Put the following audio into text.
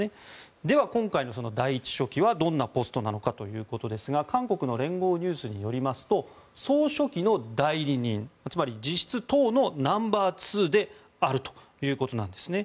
では、今回の第１書記はどんなポストなのかということですが韓国の聯合ニュースによると総書記の代理人つまり実質、党のナンバー２であるということです。